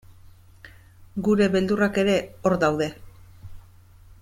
Gure beldurrak ere hor daude.